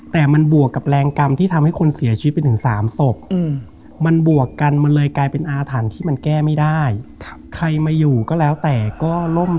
แต่มันบวกกับแรงกรรม